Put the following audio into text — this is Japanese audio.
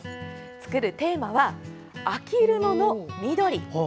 作るテーマは「あきる野の緑」。